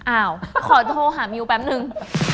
อ้าวขอโทรหามิวแป๊บนึง